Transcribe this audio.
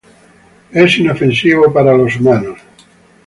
Es inofensivo para los humanos.